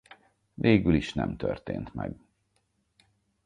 Végül is nem történt meg.